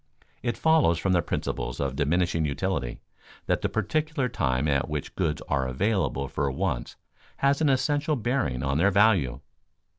It follows from the principle of diminishing utility that the particular time at which goods are available for wants has an essential bearing on their value.